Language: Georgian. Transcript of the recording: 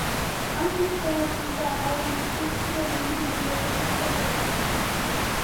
ამ დროს განადგურდა ალამუთის ცნობილი ბიბლიოთეკის შენობები.